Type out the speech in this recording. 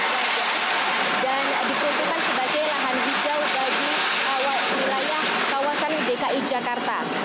dan diperuntukkan sebagai lahan hijau bagi wilayah kawasan dki jakarta